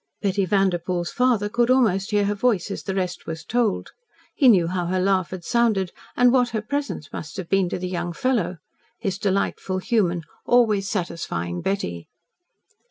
Betty Vanderpoel's father could almost hear her voice as the rest was told. He knew how her laugh had sounded, and what her presence must have been to the young fellow. His delightful, human, always satisfying Betty!